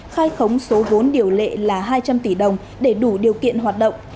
khai khống số vốn điều lệ là hai trăm linh tỷ đồng để đủ điều kiện hoạt động